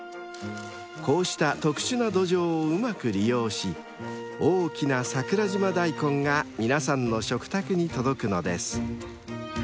［こうした特殊な土壌をうまく利用し大きな桜島大根が皆さんの食卓に届くのです］